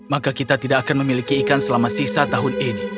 maka kita tidak akan memiliki ikan selama sisa tahun ini